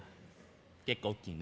結構おっきいね。